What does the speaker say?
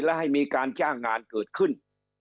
และให้มีการจ้างงานเกิดขึ้น